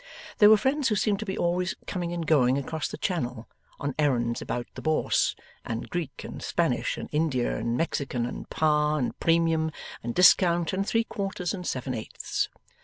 There were friends who seemed to be always coming and going across the Channel, on errands about the Bourse, and Greek and Spanish and India and Mexican and par and premium and discount and three quarters and seven eighths.